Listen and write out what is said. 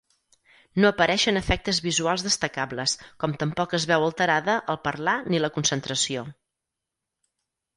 No apareixen efectes visuals destacables com tampoc es veu alterada el parlar ni la concentració.